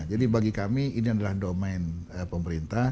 jadi bagi kami ini adalah domain pemerintah